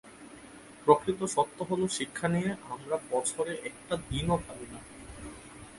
প্রকৃত সত্য হলো শিক্ষা নিয়ে আমরা বছরে একটি দিনও ভাবি না।